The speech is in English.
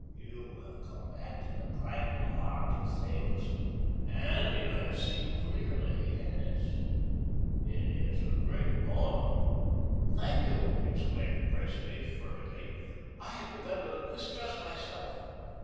You have come back to the primal heart of things, and you have seen clearly. Yes, it is a great poem." "Thank you," exclaimed Presley fervidly. "I had begun to mistrust myself."